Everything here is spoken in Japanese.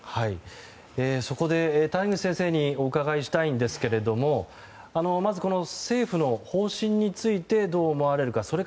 そこで谷口先生にお伺いしたいんですがまず、政府の方針についてどう思われるか。